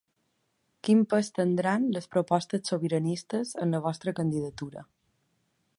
Quin pes tindran les propostes sobiranistes en la vostra candidatura?